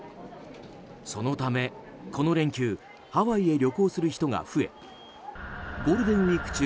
そのため、この連休ハワイへ旅行する人が増えゴールデンウィーク中